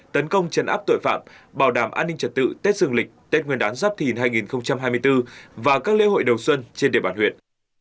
tấn công chấn áp tội phạm bảo đảm an ninh trật tự tết dương lịch tết nguyên đán giáp thìn hai nghìn hai mươi bốn và các lễ hội đầu xuân trên địa bàn huyện